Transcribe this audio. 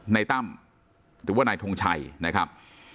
ตั้มหรือว่านายทงชัยนะครับ